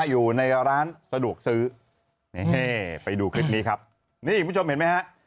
อยู่ในร้านสะดวกซื้อนี่ไปดูคลิปนี้ครับนี่คุณผู้ชมเห็นไหมฮะ